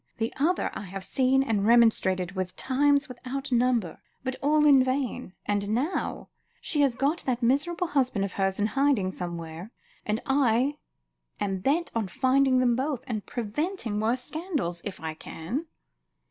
The other, I have seen and remonstrated with times without number, but all in vain; and now she has got that miserable husband of hers in hiding somewhere, and I am bent on finding them both, and preventing worse scandals if I can."